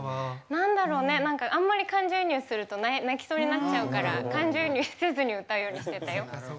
あんまり感情移入すると泣きそうになっちゃうから感情移入せずに歌うようにしてたよ。